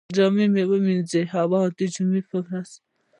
جامی ومینځئ؟ هو، د جمعې په ورځ